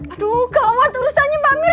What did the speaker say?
aduh gawat urusannya mbak mir